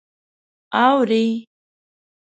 _اورې؟